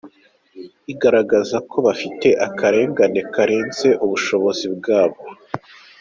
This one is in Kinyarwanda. Igaragaza ko bafite akarengane karenze ubushobozi bwabo.